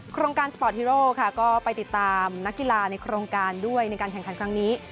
โครงการสปอร์ตฮีโร่ค่ะก็ไปติดตามนักกีฬาในโครงการด้วยในการแข่งขันครั้งนี้